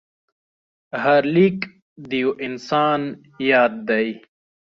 هر لیک د یو انسان یاد دی.